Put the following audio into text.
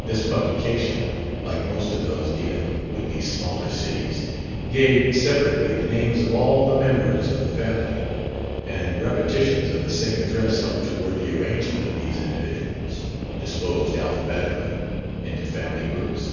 This publication, like most of those dealing with the smaller cities, gave separately the names of all the members of a family; and repetitions of the same address helped toward the arrangement of these individuals (disposed alphabetically) into family groups.